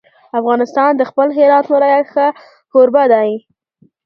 افغانستان د خپل هرات ولایت ښه کوربه دی.